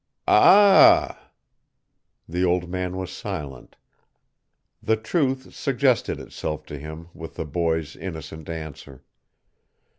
"Ah!" The old man was silent: the truth suggested itself to him with the boy's innocent answer.